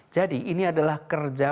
jadi ini adalah kerja kesehatan